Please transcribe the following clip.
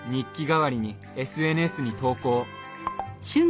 代わりにＳＮＳに投稿。